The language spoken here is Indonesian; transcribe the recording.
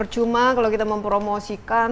cuma kalau kita mempromosikan